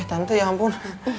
eh tante ya ampun